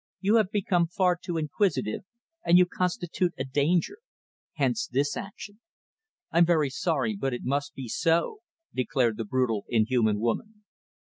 "You have become far too inquisitive, and you constitute a danger hence this action. I'm very sorry, but it must be so," declared the brutal, inhuman woman.